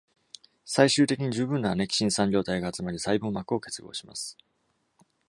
最終的に、十分なアネキシン三量体が集まり、細胞膜を結合します。